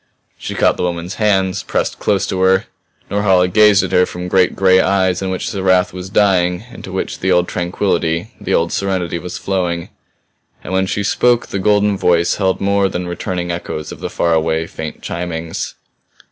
She caught the woman's hands, pressed close to her. Norhala gazed at her from great gray eyes in which the wrath was dying, into which the old tranquillity, the old serenity was flowing. And when she spoke the golden voice held more than returning echoes of the far away, faint chimings.